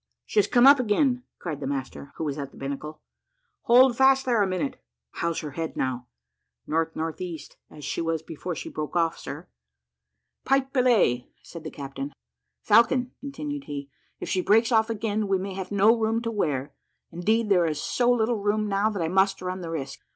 "She has come up again," cried the master, who was at the binnacle. "Hold fast there a minute. How's her head now?" "N.N.E., as she was before she broke off, sir?" "Pipe belay," said the captain. "Falcon," continued he, "if she breaks off again we may have no room to wear; indeed there is so little room now, that I must run the risk.